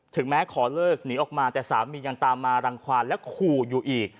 แม้ขอเลิกหนีออกมาแต่สามียังตามมารังความและขู่อยู่อีก